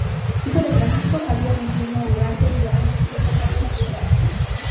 Hijo de Francisco Javier Rengifo Ugarte y de Ana Josefa Cárdenas e Izarra.